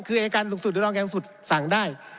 คืออายการสูงสุดหรือรองอายการสูงสุดสั่งได้